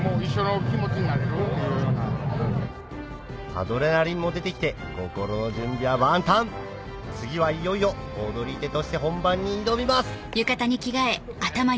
アドレナリンも出てきて心の準備は万端次はいよいよ踊り手として本番に挑みます